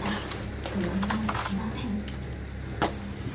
不安は尽きません。